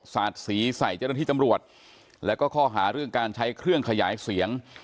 สาดสีใส่เจ้าหน้าที่ตำรวจแล้วก็ข้อหาเรื่องการใช้เครื่องขยายเสียง